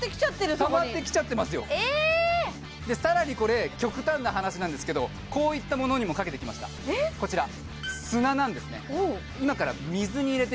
そこにたまってきちゃってますよで更にこれ極端な話なんですけどこういったものにもかけてきましたこちら砂なんですね